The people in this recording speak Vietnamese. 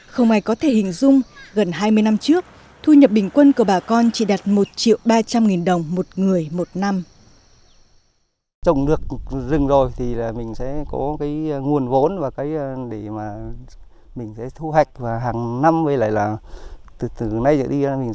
không ai có thể hình dung gần hai mươi năm trước thu nhập bình quân của bà con chỉ đạt một triệu ba trăm linh nghìn đồng một người một năm